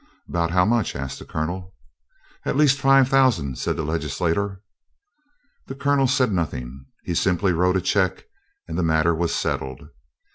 "About how much?" asked the Colonel. "At least five thousand," said the Legislator. The Colonel said nothing. He simply wrote a check and the matter was settled.